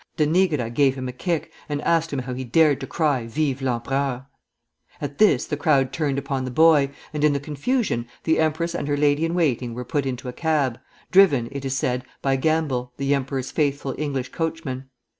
De Nigra gave him a kick, and asked him how he dared to cry: "Vive l'Empereur?" At this the crowd turned upon the boy, and in the confusion the empress and her lady in waiting were put into a cab, driven, it is said, by Gamble, the emperor's faithful English coachman.